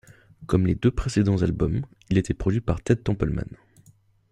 Comme les deux précédents albums, il a été produit par Ted Templeman.